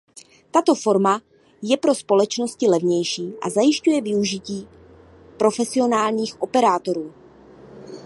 Tato forma je pro společnosti levnější a zajišťuje využití profesionálních operátorů.